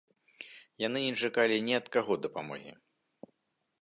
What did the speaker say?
Яны не чакалі ні ад каго дапамогі!